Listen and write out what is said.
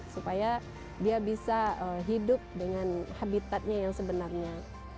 supaya dia bisa hidup dengan habitatnya yang sebenarnya